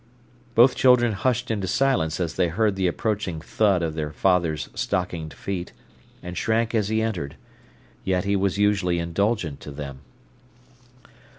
Both children hushed into silence as they heard the approaching thud of their father's stockinged feet, and shrank as he entered. Yet he was usually indulgent to them.